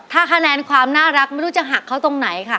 ถ้าคะแนนความน่ารักไม่รู้จะหักเขาตรงไหนค่ะ